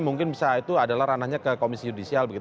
mungkin bisa itu adalah ranahnya ke komisi yudisial